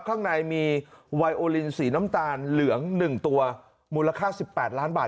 ข้างในมีไวโอลินสีน้ำตาลเหลือง๑ตัวมูลค่า๑๘ล้านบาท